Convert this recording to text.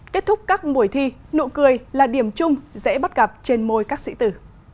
kết thúc các buổi thi nụ cười là điểm chung dễ bắt gặp trên môi các sĩ tử